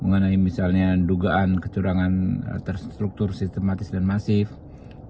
mengenai misalnya dugaan kecurangan terstruktur sistematis dan masif